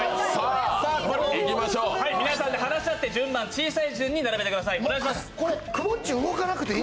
皆さんで話し合って、順番、小さい順に並んでくダサイ。